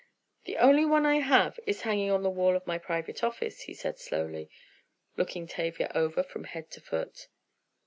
"The only one I have is hanging on the wall of my private office," he said slowly, looking Tavia over from head to foot.